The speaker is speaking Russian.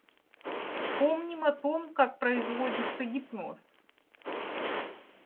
Вспомним о том, как производится гипноз.